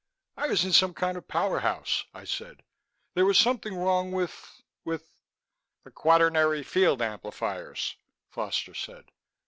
"I was in some kind of powerhouse," I said. "There was something wrong with with...." "The quaternary field amplifiers," Foster said.